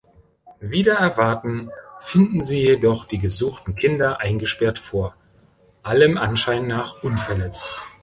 Wider Erwarten finden sie jedoch die gesuchten Kinder eingesperrt vor, allem Anschein nach unverletzt.